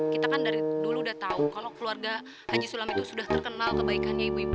kita kan dari dulu udah tahu kalau keluarga haji sulam itu sudah terkenal kebaikannya ibu ibu